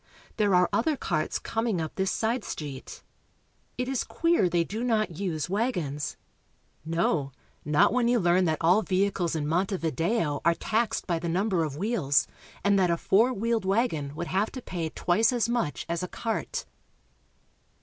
There are other carts coming up this side street. It is queer they do not use wagons. No ; not when you learn that all vehicles in Montevideo are taxed MONTEVIDEO. 205 by the number of wheels, and that a four wheeled wagon would have to pay twice as much as a cart.